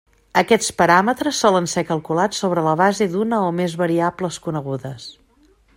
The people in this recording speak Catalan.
Aquests paràmetres solen ser calculats sobre la base d'una o més variables conegudes.